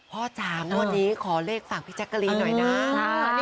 พ่อชามวันนี้ขอเลขสั่งพี่แจ๊กกะลีหน่อยนะ